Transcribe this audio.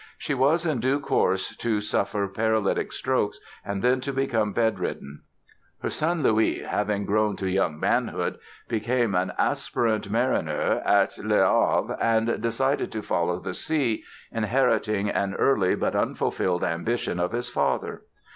She was in due course to suffer paralytic strokes and then to become bedridden. Her son, Louis, having grown to young manhood, became an "aspirant marinier" at Le Havre and decided to follow the sea, inheriting an early but unfulfilled ambition of his father.